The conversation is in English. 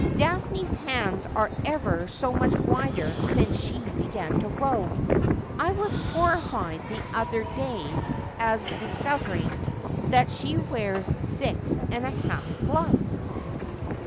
Daphne's hands are ever so much wider since she began to row. I was horrified the other day at discovering that she wears six and a half gloves.'